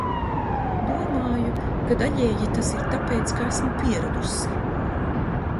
Domāju, ka daļēji tas ir tāpēc, ka esmu pieradusi.